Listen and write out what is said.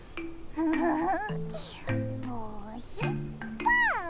ウフフフ。